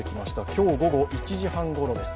今日午後１時半ごろです。